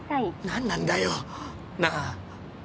何なんだよなあ？